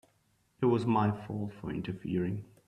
It was my fault for interfering.